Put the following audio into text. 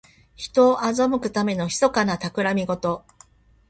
人を欺くためのひそかなたくらみごと。